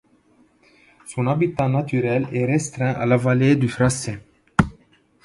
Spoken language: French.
Son habitat naturel est restreint à la vallée du Fraser.